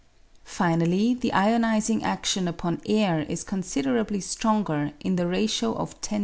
Finally, the ionising adlion upon air is considerably stronger in the ratio of 10' approximately.